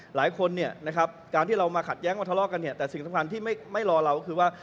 หลายคนการที่เรามาขัดแย้งมาทะเลาะกันแต่สิ่งสำคัญที่ไม่รอเราคือว่า